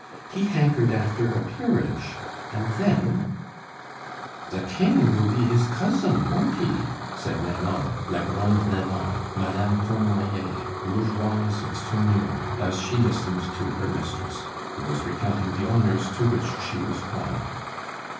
He hankered after a peerage; and then "The king will be his cousin, won't he?" said Nanon, la Grande Nanon, Madame Cornoiller, bourgeoise of Saumur, as she listened to her mistress, who was recounting the honors to which she was called.